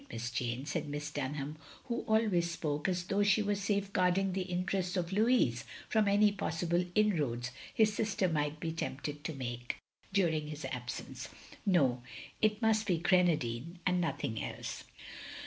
Miss Jane, " said Dtinham, who always spoke as though she were safeguarding the in terests of Louis from any possible inroads his sister might be tempted to make, during his ab sence. "No, it must be grenadine, and nothing eke."